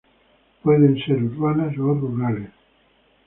Pueden ser urbanas o rurales.